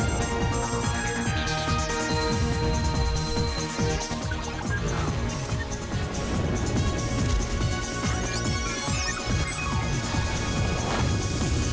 สนับสนุนโดยกรมเจรจาการค้าระหว่างประเทศ